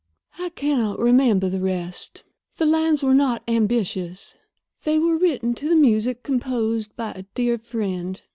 "I cannot remember the rest. The lines were not ambitious. They were written to the music composed by a dear friend."